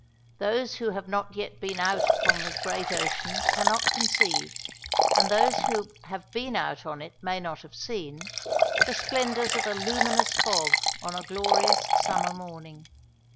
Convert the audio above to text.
Those who have not yet been out upon the great ocean cannot conceive and those who have been out on it may not have seen the splendours of a luminous fog on a glorious summer morning.